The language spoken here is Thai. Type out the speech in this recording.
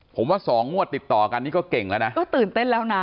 ผมว่าสองงวดติดต่อกันนี่ก็เก่งแล้วนะก็ตื่นเต้นแล้วนะ